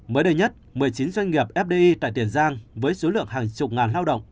mới đây nhất một mươi chín doanh nghiệp fdi tại tiền giang với số lượng hàng chục ngàn lao động